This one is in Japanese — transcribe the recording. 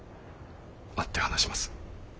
会って話します。